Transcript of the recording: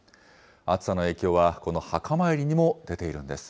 暑さの影響はこの墓参りにも出ているんです。